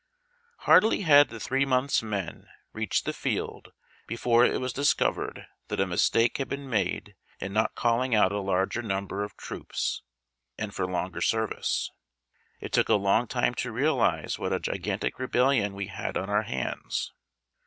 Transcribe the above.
ARDLY liad the ''Three months men" reached the fiehl before it was discov^ ered that a mistake had been made in not calling out a larger number of troops, and for longer service ;— it took a long;' time to realize what a si gantic rebellion we had on our hands.